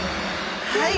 はい。